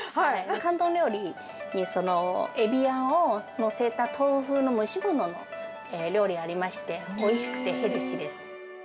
広東料理に、エビあんを載せた豆腐の蒸し物の料理ありまして、おいしくてヘルシーです。